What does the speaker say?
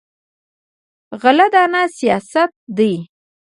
غله دانه سیاست دی.